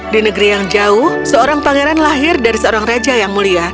di negeri yang jauh seorang pangeran lahir dari seorang raja yang mulia